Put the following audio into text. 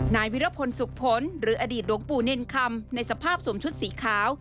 นายวิรพลสุขผลหรืออดีตหลวงปู่เนรคำในสภาพสวมชุดสีขาว